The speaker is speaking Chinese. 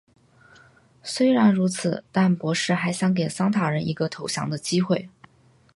虽然如此但博士还想给桑塔人一个投降的机会。